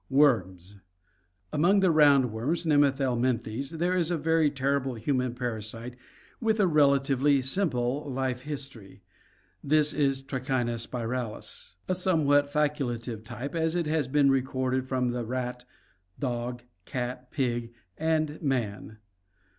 Worms. — Among the roundworms, Nemathelminthes, there is a very terrible human parasite with a relatively simple life history. This is Trichina spiralis, a somewhat facultative type, as it has been recorded from the rat, dog, cat, pig, and man.